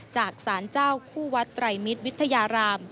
จากสารเจ้าคู่วัดไตรมิตรวิทยาราม